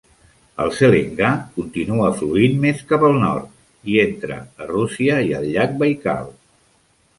El Selengà continua fluint més cap al nord i entra a Rússia i al llac Baikal.